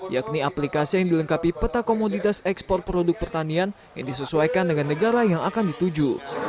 yakni aplikasi yang dilengkapi peta komoditas ekspor produk pertanian yang disesuaikan dengan negara yang akan dituju